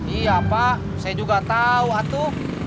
iya pak saya juga tau